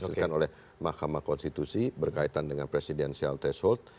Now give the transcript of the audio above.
yang dihasilkan oleh mahkamah konstitusi berkaitan dengan presidensial threshold